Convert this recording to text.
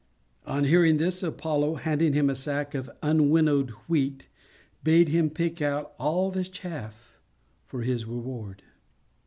On hearing this, Apollo, handing him a sack of unwinnowed wheat, bade him pick out _all the chaff _for his reward.